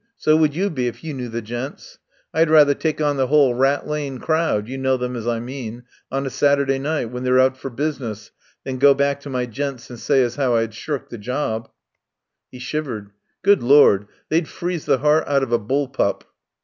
So would you be if you knew the gents. I'd rather take on the whole Rat Lane crowd — you know them as I mean — on a Saturday night, when they're out for business, than go back to my gents and say as 'ow I had shirked the job." He shivered. "Good Lord, they'd freeze the 'eart out of a bull pup."